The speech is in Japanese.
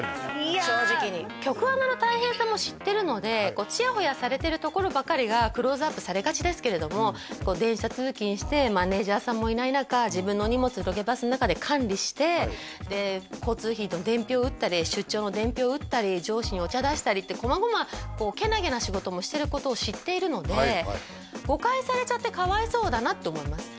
いや局アナの大変さも知ってるのでちやほやされてるところばかりがクローズアップされがちですけれども電車通勤してマネージャーさんもいない中自分の荷物ロケバスの中で管理して交通費の伝票打ったり出張の伝票打ったり上司にお茶出したりってこまごまけなげな仕事もしてることを知っているのでだなって思います